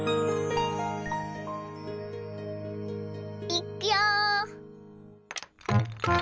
いくよ！